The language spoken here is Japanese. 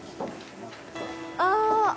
ああ。